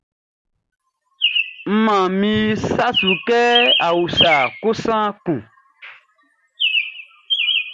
N man min sa su kɛ ń úsa kosan kun.